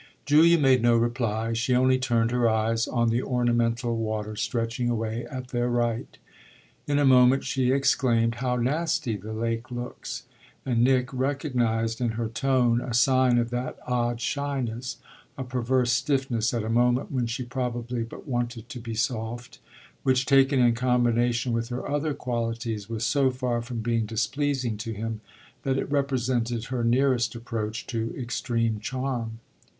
Julia made no reply; she only turned her eyes on the ornamental water stretching away at their right. In a moment she exclaimed, "How nasty the lake looks!" and Nick recognised in her tone a sign of that odd shyness a perverse stiffness at a moment when she probably but wanted to be soft which, taken in combination with her other qualities, was so far from being displeasing to him that it represented her nearest approach to extreme charm.